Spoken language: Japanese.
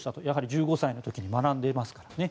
やはり１５歳の時に学んでいますから。